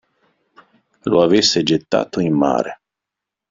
Lo avesse gettato in mare.